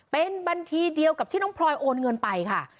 เป็นบัญชีเดียวกับที่น้องพลอยโอนเงินไปค่ะ